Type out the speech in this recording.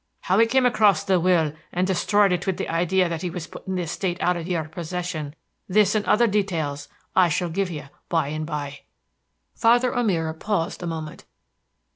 How he came across the will, and destroyed it with the idea that he was putting the estate out of your possession this and other details I shall give you by and by." Father O'Meara paused a moment.